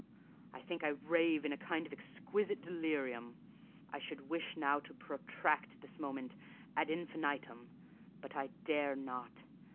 I think I rave in a kind of exquisite delirium. I should wish now to protract this moment ad infinitum; but I dare not.